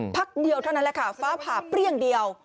พักเดียวเท่านั้นแหละค่ะฟ้าผ่าเปรี้ยงเดียว